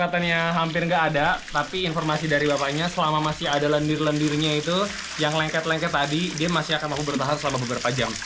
tidak tapi informasi dari bapaknya selama masih ada lendir lendirnya itu yang lengket lengket tadi dia masih akan bertahan selama beberapa jam